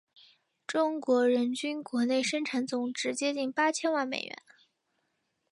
中国人均国内生产总值接近八千万美元。